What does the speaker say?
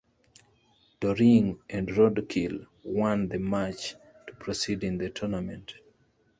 Doring and Roadkill won the match to proceed in the tournament.